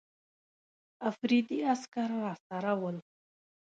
افریدي عسکر راسره ول.